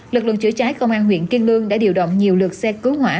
lực lượng chữa trái công an huyện kiên lương đã điều động nhiều lượt xe cứu hỏa